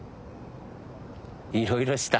いろいろした。